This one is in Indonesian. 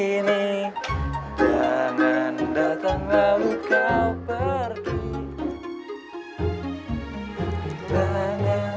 aneh banget tuh orang